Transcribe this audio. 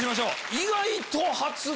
意外と。